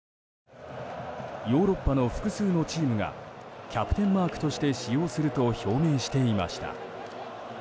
ヨーロッパの複数のチームがキャプテンマークとして使用すると表明していました。